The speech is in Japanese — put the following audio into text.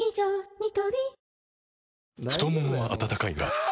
ニトリ太ももは温かいがあ！